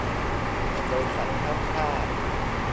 บริษัทข้ามชาติ